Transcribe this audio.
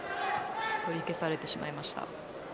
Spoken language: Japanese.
取り消されてしまいました。